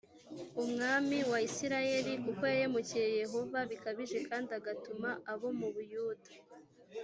umwami wa isirayeli kuko yahemukiye yehova bikabije kandi agatuma abo mu buyuda